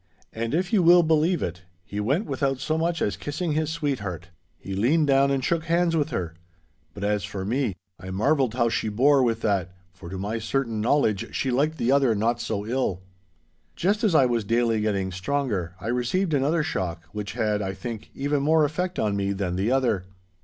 And if you will believe it, he went without so much as kissing his sweetheart. He leaned down and shook hands with her! But as for me, I marvelled how she bore with that, for to my certain knowledge she liked the other not so ill. Just as I was daily getting stronger, I received another shock which had, I think, even more effect on me than the other.